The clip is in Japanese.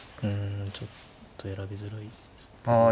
うんちょっと選びづらいですけど。